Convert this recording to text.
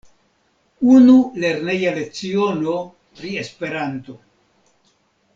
Unu lerneja leciono pri Esperanto!